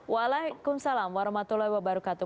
waalaikumsalam warahmatullahi wabarakatuh